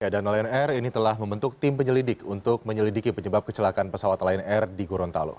dan lion air ini telah membentuk tim penyelidik untuk menyelidiki penyebab kecelakaan pesawat lion air di gorontalo